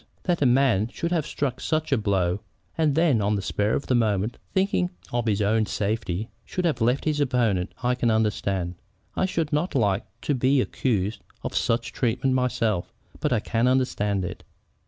That a man should have struck such a blow, and then, on the spur of the moment, thinking of his own safety, should have left his opponent, I can understand. I should not like to be accused of such treatment myself, but I can understand it.